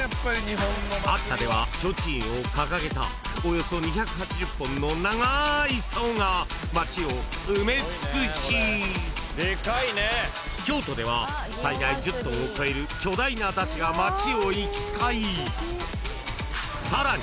［秋田では提灯を掲げたおよそ２８０本の長いさおが街を埋め尽くし京都では最大１０ｔを超える巨大な山車が街を行き交いさらに